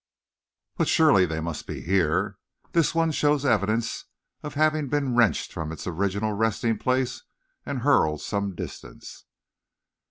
"But surely they must be here. This one shows evidence of having been wrenched from its original resting place and hurled some distance."